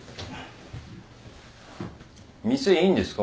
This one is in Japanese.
店いいんですか？